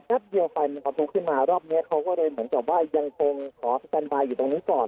เดียวไฟมันประทุขึ้นมารอบนี้เขาก็เลยเหมือนกับว่ายังคงขอสแตนบายอยู่ตรงนี้ก่อน